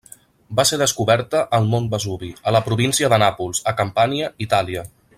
Va ser descoberta al mont Vesuvi, a la província de Nàpols, a Campània, Itàlia.